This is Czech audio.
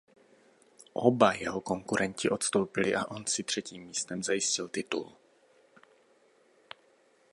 Oba jeho konkurenti odstoupili a on si třetím místem zajistil titul.